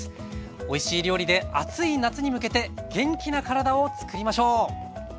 おいしい料理で暑い夏に向けて元気な体をつくりましょう。